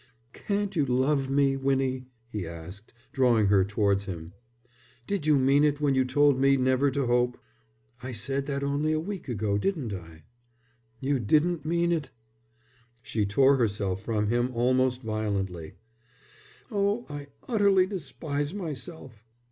"Can't you love me, Winnie?" he asked, drawing her towards him. "Did you mean it when you told me never to hope?" "I said that only a week ago, didn't I?" "You didn't mean it?" She tore herself from him almost violently. "Oh, I utterly despise myself."